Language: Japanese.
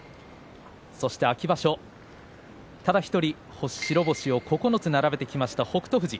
そして秋場所、ただ１人白星を９つ並べました北勝富士。